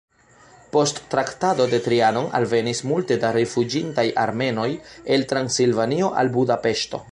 Post Traktato de Trianon alvenis multe da rifuĝintaj armenoj el Transilvanio al Budapeŝto.